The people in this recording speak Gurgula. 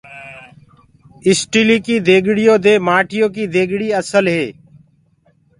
اسٽيليِ ڪي ديگڙيو دي مآٽيو ڪي ديگڙي اسل هي۔